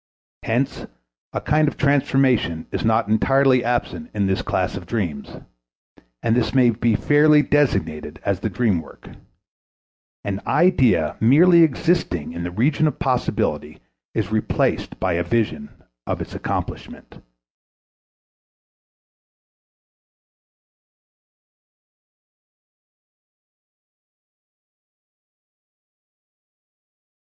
Hence a kind of transformation is not entirely absent in this class of dreams, and this may be fairly designated as the dream work. _An idea merely existing in the region of possibility is replaced by a vision of its accomplishment.